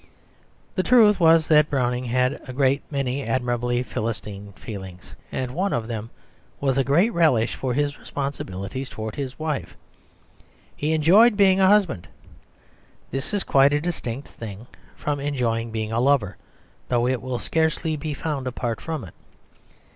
The truth was that Browning had a great many admirably Philistine feelings, and one of them was a great relish for his responsibilities towards his wife. He enjoyed being a husband. This is quite a distinct thing from enjoying being a lover, though it will scarcely be found apart from it.